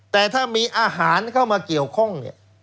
แต่ถ้ามีอาหารเข้ามาเกี่ยวข้องเนี่ย